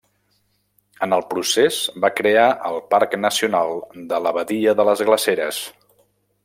En el procés va crear el Parc Nacional de la Badia de les Glaceres.